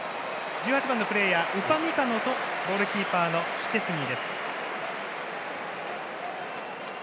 １８番のプレーヤーウパミカノとゴールキーパーのシュチェスニーです。